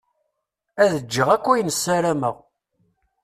Ad ǧǧeɣ akk ayen ssarameɣ.